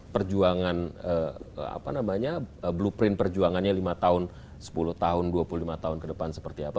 perjuangan blueprint perjuangannya lima tahun sepuluh tahun dua puluh lima tahun ke depan seperti apa